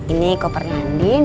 ini kopernya andi